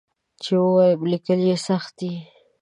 چې ووایم لیکل یې سخت دي.